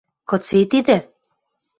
— Кыце тидӹ?